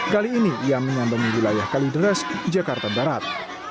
kali ini ia menyambangi wilayah kalideres jakarta barat